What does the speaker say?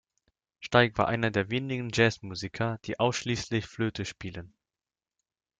Steig war einer der wenigen Jazzmusiker, die ausschließlich Flöte spielen.